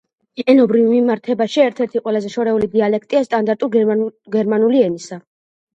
ენობრივ მიმართებაში ერთ-ერთი ყველაზე შორეული დიალექტია სტანდარტული გერმანული ენისა.